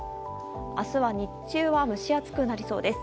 明日は日中は蒸し暑くなりそうです。